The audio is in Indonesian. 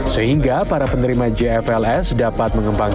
sehingga para penerima jfls dapat mengembangkan